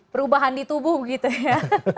perubahan di tubuh gitu ya